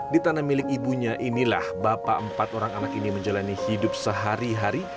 di tanah milik ibunya inilah bapak empat orang anak ini menjalani hidup sehari hari